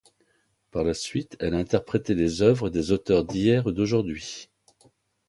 Par la suite, elle a interprété les œuvres des auteurs d'hier et d'aujourd'hui.